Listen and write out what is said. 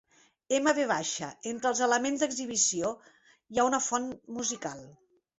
M V. Entre els elements d'exhibició hi ha una font musical.